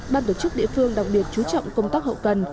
ban tổ chức địa phương đặc biệt chú trọng công tác hậu cần